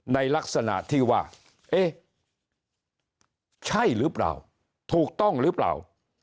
ในลักษณะที่ว่าเอ๊ะใช่หรือเปล่าถูกต้องหรือเปล่า